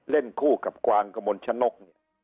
เล่นคู่กับกวางกะมนต์ชะนก